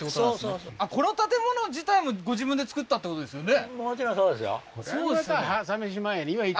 そうそうそうこの建物自体もご自分で造ったってことですよね？